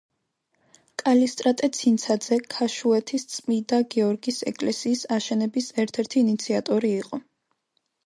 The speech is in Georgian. კალისტრატე ცინცაძე ქაშუეთის წმიდა გიორგის ეკლესიის აშენების ერთ-ერთი ინიციატორი იყო.